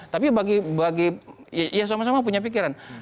tapi bagi ya sama sama punya pikiran